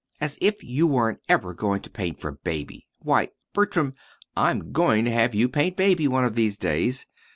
As if you weren't ever going to paint for Baby! Why, Bertram, I'm going to have you paint Baby, one of these days.